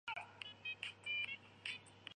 然而因为同治十年七月廿八日请水。